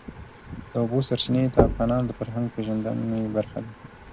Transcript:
د اوبو سرچینې د افغانانو د فرهنګي پیژندنې برخه ده.